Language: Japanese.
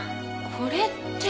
これって。